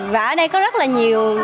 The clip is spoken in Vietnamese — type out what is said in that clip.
và ở đây có rất nhiều